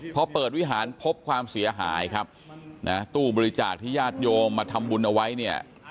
พอเปิดวิหารพบความเสียหายครับนะตู้บริจาคที่ญาติโยมมาทำบุญเอาไว้เนี่ย